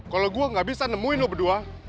kalau gue gak bisa nemuin loh berdua